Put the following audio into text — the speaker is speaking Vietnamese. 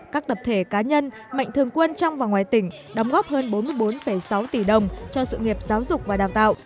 các tập thể cá nhân mạnh thường quân trong và ngoài tỉnh đóng góp hơn bốn mươi bốn sáu tỷ đồng cho sự nghiệp giáo dục và đào tạo